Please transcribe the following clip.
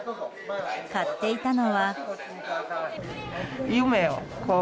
買っていたのは。